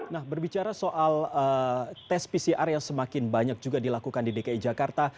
nah berbicara soal tes pcr yang semakin banyak juga dilakukan di dki jakarta